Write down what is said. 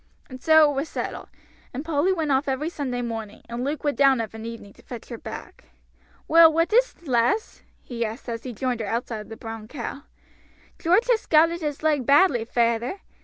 And so it was settled, and Polly went off every Sunday morning, and Luke went down of an evening to fetch her back. "Well, what is't, lass?" he asked as he joined her outside the "Brown Cow." "George has scalded his leg badly, feyther.